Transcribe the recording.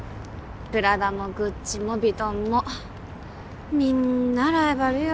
プラダもグッチもヴィトンもみんーなライバルよ